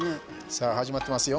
さあ、始まってますよ。